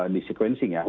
di sequencing ya